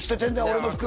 俺の服！